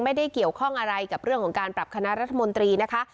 ไม่ได้เกี่ยวข้องอะไรกับเรื่องของการปรับคณะรัฐมนตรีนะคะ